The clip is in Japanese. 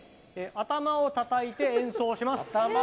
頭をたたいて演奏します。